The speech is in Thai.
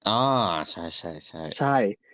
อ่าใช่